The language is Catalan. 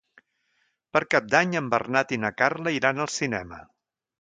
Per Cap d'Any en Bernat i na Carla iran al cinema.